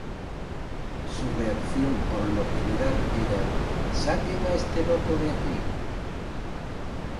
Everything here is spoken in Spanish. Su reacción por lo general era "¡saquen a este loco de aquí!